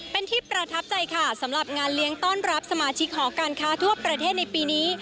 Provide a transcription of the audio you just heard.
เป็นที่ประทับใจค่ะสำหรับงานเลี้ยงต้อนรับสมาชิกหอการค้าทั่วประเทศในปีนี้